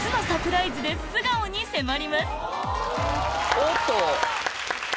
おっと！